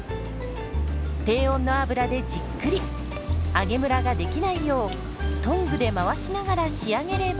低温の油でじっくり揚げむらができないようトングで回しながら仕上げれば。